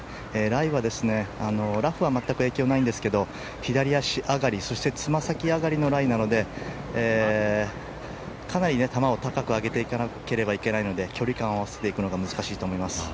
ライはラフは全く影響ないんですが左足上がり、そしてつま先上がりのライなのでかなり球を高く上げていかなければいけないので距離感を合わせていくのが難しいと思います。